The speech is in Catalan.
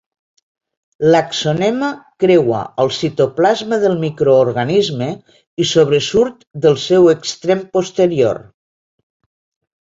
L'axonema creua el citoplasma del microorganisme i sobresurt del seu extrem posterior.